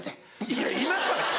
いや今から？